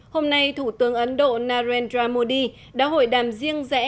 hôm nay thủ tướng ấn độ narendra modi đã hội đàm riêng rẽ